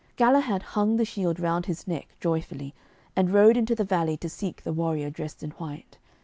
Galahad hung the shield round his neck joyfully, and rode into the valley to seek the warrior dressed in white.